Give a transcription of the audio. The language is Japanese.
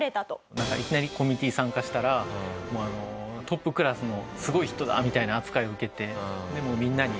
いきなりコミュニティに参加したらトップクラスのすごい人だみたいな扱いを受けてでもうみんなに。